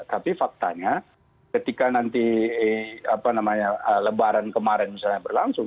tapi faktanya ketika nanti lebaran kemarin misalnya berlangsung